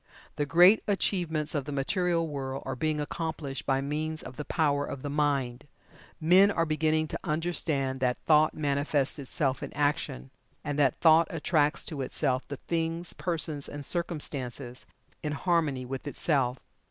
The great achievements of the material world are being accomplished by means of the Power of the Mind. Men are beginning to understand that "Thought manifests itself in Action," and that Thought attracts to itself the things, persons and circumstances in harmony with itself.